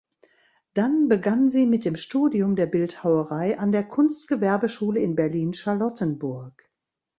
Dann begann sie mit dem Studium der Bildhauerei an der Kunstgewerbeschule in Berlin-Charlottenburg.